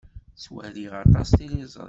Ttwaliɣ aṭas tiliẓri.